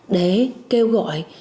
để kêu gọi